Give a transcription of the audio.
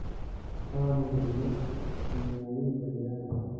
ښه مدیریت، نیمایي بریا ده